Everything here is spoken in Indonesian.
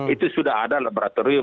itu sudah ada laboratorium